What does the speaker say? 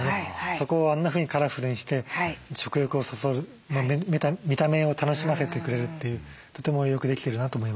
そこをあんなふうにカラフルにして食欲をそそる見た目を楽しませてくれるというとてもよくできてるなと思います。